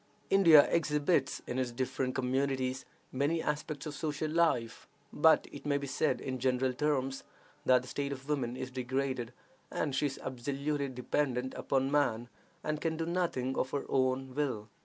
India exhibits, in its different communities, many aspects of social life, but it may be said, in general terms, that the state of woman is degraded, as she is absolutely dependent upon man, and can do nothing of her own will.